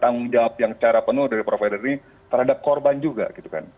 tanggung jawab yang secara penuh dari provider ini terhadap korban juga gitu kan